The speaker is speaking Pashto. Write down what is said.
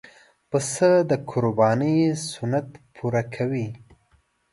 پسه د قربانۍ سنت پوره کوي.